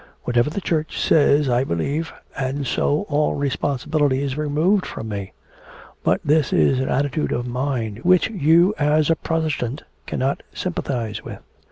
Whatever the Church says I believe, and so all responsibility is removed from me. But this is an attitude of mind which you as a Protestant cannot sympathise with.'